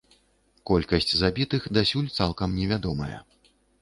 Колькасць забітых дасюль цалкам не вядомая.